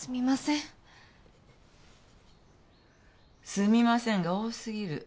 「すみません」が多すぎる。